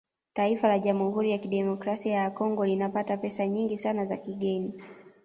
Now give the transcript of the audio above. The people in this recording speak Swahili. Taifa la Jamhuri ya Kidemokrasia ya Congo linapata pesa nyingi sana za kigeni